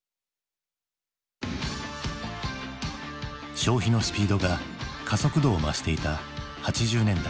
消費のスピードが加速度を増していた８０年代。